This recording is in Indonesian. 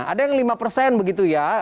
ada yang lima persen begitu ya